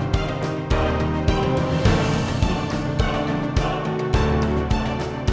terima kasih michi